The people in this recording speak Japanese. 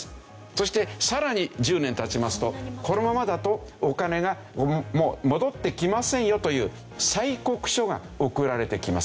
そしてさらに１０年経ちますとこのままだとお金がもう戻ってきませんよという催告書が送られてきます。